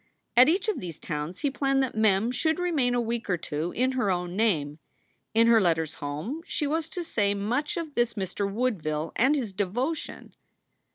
At each of these towns he planned that Mem should remain a week or two in her own name. In her letters home she was to say much of this Mr. Woodville and his devotion.